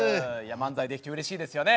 漫才できてうれしいですよね。